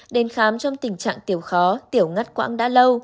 đến khám trong tình trạng tiểu khó tiểu ngắt quãng đã lâu